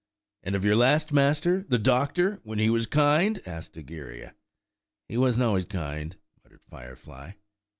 "And of your last master, the doctor, when he was kind?" asked Egeria. "He wasn't always kind," muttered Firefly.